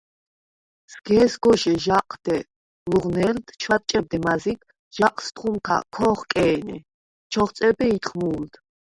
სგ’ე̄სგოშე ჟაჴთე ლუღვნე̄ლდ, ჩვადჭებდე მაზიგ, ჟაჴს თხუმქა ქ’ო̄ხკე̄ნე, ჩ’ოხწებე ითხმუ̄ლდ.